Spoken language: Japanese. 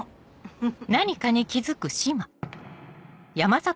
フフ。